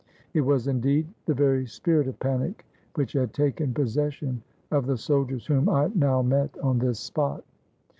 It was, indeed, the very spirit of panic which had taken possession of the soldiers whom I now met on this spot.